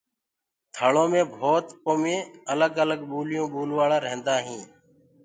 ٿݪو مي ڀوتَ ڪومين الگ الگ ٻوليون ٻولوآݪآ ريهندآئين